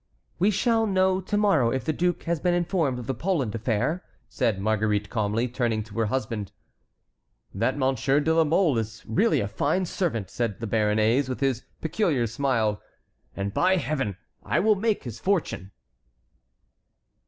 "We shall know to morrow if the duke has been informed of the Poland affair," said Marguerite calmly, turning to her husband. "That Monsieur de la Mole is really a fine servant," said the Béarnais, with his peculiar smile, "and, by Heaven! I will make his fortune!"